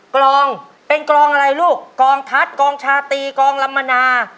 กลองเป็นกรองอะไรลูกกองทัศน์กองชาตรีกองลำมนา